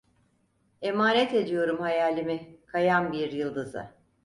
Emanet ediyorum hayalimi, kayan bir yıldıza.